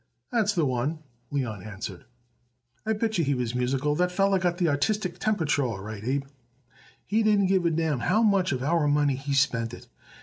"That's the one," Leon answered. "I bet yer he was musical. That feller got the artistic temperature all right, Abe. He didn't give a damn how much of our money he spent it.